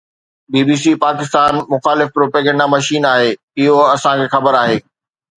بي B C Pakistan مخالف propaganda machine آهي. اهو اسان کي خبر آهي